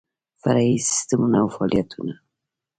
فرعي سیسټمونه او فعالیتونه